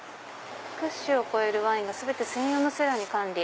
「１００種を超えるワインが全て専用のセラーにて管理。